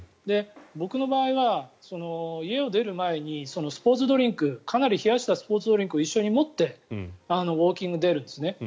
僕の場合は家を出る前にかなり冷やしたスポーツドリンクを一緒に持ってウォーキングに出るんですね。